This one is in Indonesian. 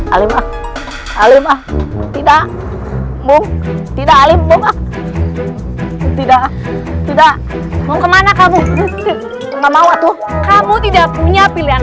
alimah alimah tidakmu tidak alim tidak tidak mau kemana kamu mau kamu tidak punya pilihan